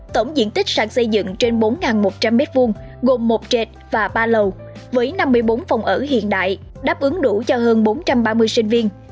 tổng diện tích sạt xây dựng trên bốn một trăm linh m hai gồm một trệt và ba lầu với năm mươi bốn phòng ở hiện đại đáp ứng đủ cho hơn bốn trăm ba mươi sinh viên